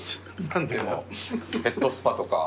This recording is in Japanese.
でもヘッドスパとか。